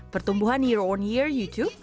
pertumbuhan year on year youtube